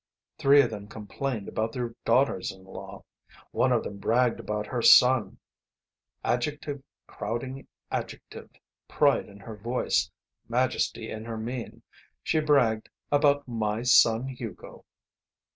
Three of them complained about their daughters in law. One of them bragged about her son. Adjective crowding adjective, pride in her voice, majesty in her mien, she bragged about my son Hugo.